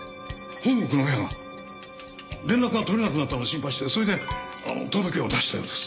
本国の親が連絡が取れなくなったのを心配してそれで届けを出したようです。